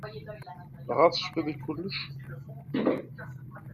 Dɣa tecfiḍ i kullec?